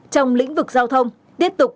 trong lĩnh vực giao thông tiếp tục